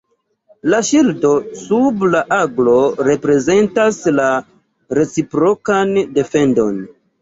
La ŝildo sub la aglo reprezentas la reciprokan defendon.